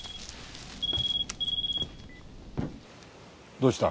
どうした？